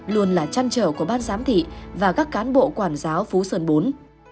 luôn là trăn trở của ban giám thị và các cán bộ quản giáo phú sơn bốn